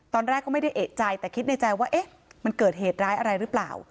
ตอนแรกก็ไม่ได้เอกใจแต่คิดในใจว่าเอ๊ะมันเกิดเหตุร้ายอะไรหรือเปล่า